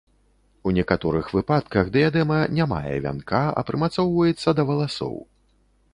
У некаторых выпадках дыядэма не мае вянка, а прымацоўваецца да валасоў.